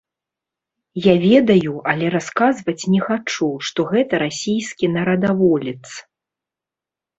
Я ведаю, але расказваць не хачу, што гэта расійскі нарадаволец.